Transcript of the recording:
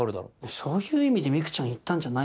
そういう意味でミクちゃん言ったんじゃないと思う。